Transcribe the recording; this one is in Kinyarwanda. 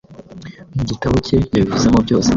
Mu gitabo cye yabivuzemo byose